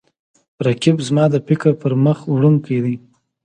رقیب زما د فکر پرمخ وړونکی دی